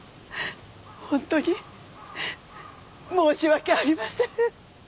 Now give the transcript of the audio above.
ホントに申し訳ありません。